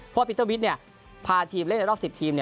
เพราะว่าปีเตอร์วิทย์พาทีมเล่นในรอบ๑๐ทีม